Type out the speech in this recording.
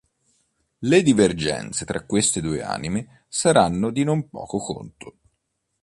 Le divergenze fra queste due anime saranno di non poco conto.